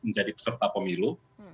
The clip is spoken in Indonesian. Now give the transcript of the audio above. menjadi peserta pemilu